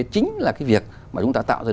chính là cái việc mà chúng ta tạo ra